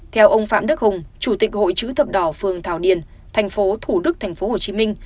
theo ông phạm đức hùng chủ tịch hội chứ thập đỏ phường thảo điền tp thủ đức tp hcm